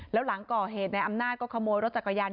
แล้วหลังก่อเหตุในอำนาจก็ขโมยรถจักรยาน